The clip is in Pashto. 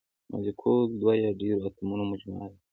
مالیکول د دوه یا ډیرو اتومونو مجموعه ده.